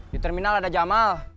di terminal ada jamal